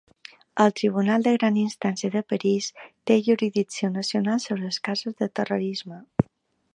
El Tribunal de Gran Instància de París té jurisdicció nacional sobre els casos de terrorisme.